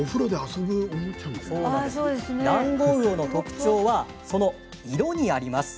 ダンゴウオの特徴はその色にあります。